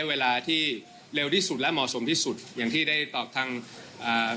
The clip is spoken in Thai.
เวลาที่เร็วที่สุดและเหมาะสมที่สุดอย่างที่ได้ตอบทางอ่า